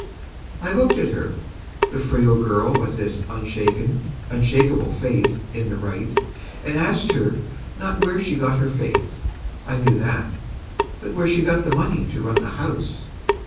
I looked at her, the frail girl with this unshaken, unshakable faith in the right, and asked her, not where she got her faith I knew that but where she got the money to run the house.